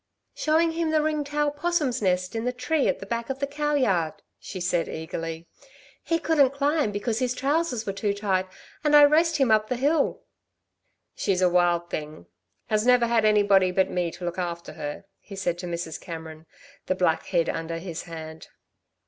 "Showing him the ring tail 'possum's nest in the tree at the back of the cow yard," she said eagerly. "He couldn't climb because his trousers were too tight, and I raced him up the hill." "She's a wild thing has never had anybody but me to look after her," he said to Mrs. Cameron, the black head under his hand.